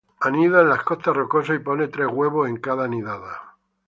Anida en las costas rocosas y pone tres huevos en cada nidada.